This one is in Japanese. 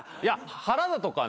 原田とかね